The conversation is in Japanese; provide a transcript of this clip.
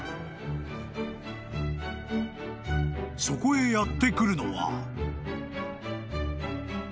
［そこへやって来るのは］